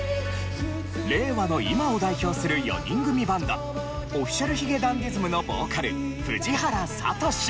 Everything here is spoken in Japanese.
令和の今を代表する４人組バンドＯｆｆｉｃｉａｌ髭男ｄｉｓｍのボーカル藤原聡。